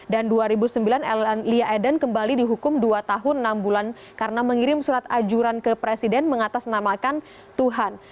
dan dua ribu sembilan lia aden kembali dihukum dua tahun enam bulan karena mengirim surat ajuran ke presiden mengatasnamakan tuhan